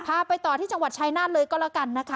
ไปต่อที่จังหวัดชายนาฏเลยก็แล้วกันนะคะ